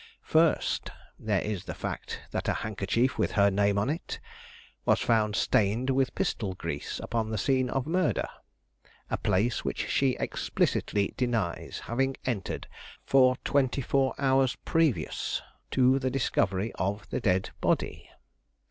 "First, there is the fact that a handkerchief, with her name on it, was found stained with pistol grease upon the scene of murder; a place which she explicitly denies having entered for twenty four hours previous to the discovery of the dead body.